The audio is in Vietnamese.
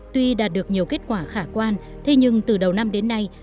tuy đạt được nhiều kết quả khả quan thế nhưng từ đầu năm đến nay